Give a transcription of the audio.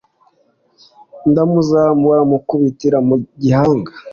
Ndamuzamura mukubitira mu gahinga,